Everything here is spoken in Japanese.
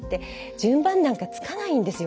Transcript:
順番なんかつかないんですよ